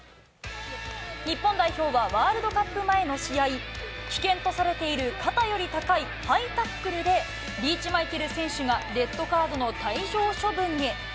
日本代表は、ワールドカップ前の試合、危険とされている肩より高いハイタックルで、リーチマイケル選手がレッドカードの退場処分に。